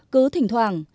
cứ thỉnh thoảng